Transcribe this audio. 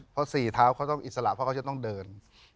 เพราะสี่เท้าเขาต้องอิสระเพราะเขาจะต้องเดิน